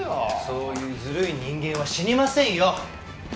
そういうずるい人間は死にませんよ！